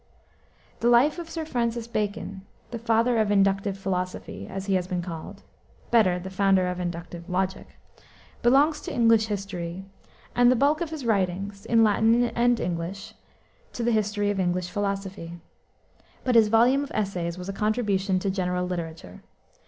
The life of Francis Bacon, "the father of inductive philosophy," as he has been called better, the founder of inductive logic belongs to English history, and the bulk of his writings, in Latin and English, to the history of English philosophy. But his volume of Essays was a contribution to general literature.